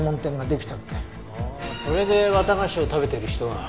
ああそれで綿菓子を食べてる人が。